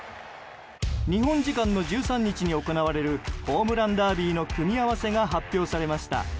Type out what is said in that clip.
日本時間の１３日に行われるホームランダービーの組み合わせが発表されました。